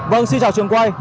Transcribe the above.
vâng xin chào trường quay